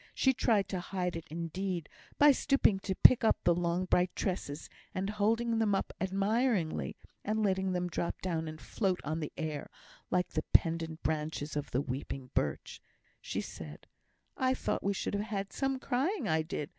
She tried to hide it, indeed, by stooping to pick up the long bright tresses; and, holding them up admiringly, and letting them drop down and float on the air (like the pendant branches of the weeping birch), she said: "I thought we should ha' had some crying I did.